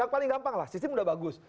paling gampang lah sistem udah bagus